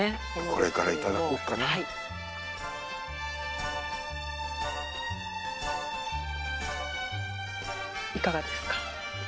これからいただこっかなはいいかがですか？